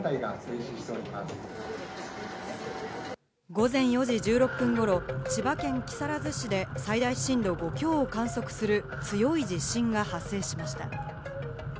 午前４時１６分頃、千葉県木更津市で最大震度５強を観測する強い地震が発生しました。